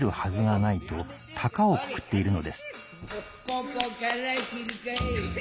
ここから斬るかい。